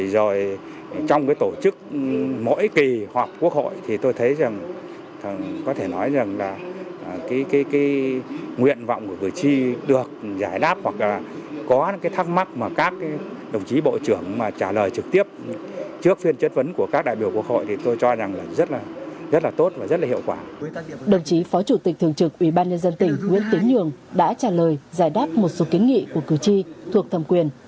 đồng chí phó chủ tịch thường trực ubnd tỉnh nguyễn tiến nhường đã trả lời giải đáp một số kiến nghị của cử tri thuộc thầm quyền